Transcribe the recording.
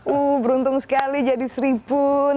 uh beruntung sekali jadi seripun